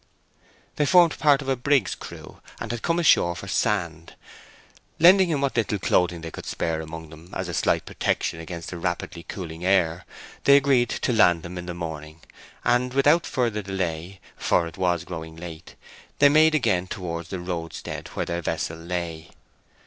They formed part of a brig's crew, and had come ashore for sand. Lending him what little clothing they could spare among them as a slight protection against the rapidly cooling air, they agreed to land him in the morning; and without further delay, for it was growing late, they made again towards the roadstead where their vessel lay.